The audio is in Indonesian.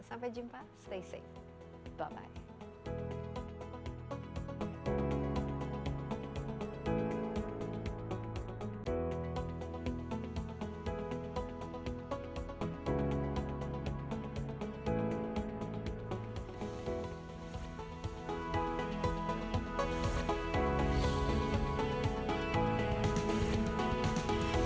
sampai jumpa stay safe bye bye